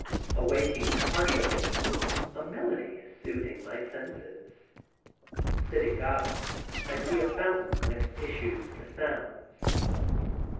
Awaking partially, a melody is soothing my senses. Sitting up, I see a fountain whence issues the sounds.